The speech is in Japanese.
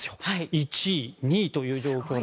１位、２位という状況。